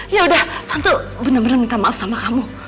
ya udah tante bener bener minta maaf sama kamu